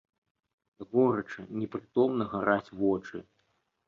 Горача, непрытомна гараць вочы.